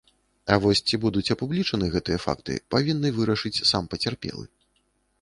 А вось ці будуць апублічаны гэтыя факты павінны вырашыць сам пацярпелы.